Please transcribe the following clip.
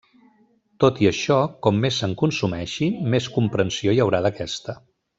Tot i això, com més se'n consumeixi, més comprensió hi haurà d'aquesta.